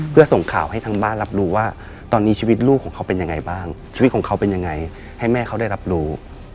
เพื่อส่งข่าวให้ทางบ้านรับรู้ว่าตอนนี้ชีวิตลูกของเขาเป็นยังไงบ้างชีวิตของเขาเป็นยังไงให้แม่เขาได้รับรู้